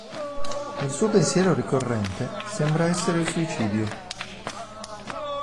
Il suo pensiero ricorrente sembra essere il suicidio.